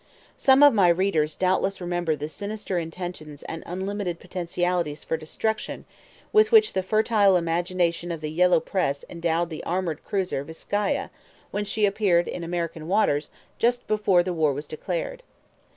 Some of my readers doubtless remember the sinister intentions and unlimited potentialities for destruction with which the fertile imagination of the yellow press endowed the armored cruiser Viscaya when she appeared in American waters just before war was declared.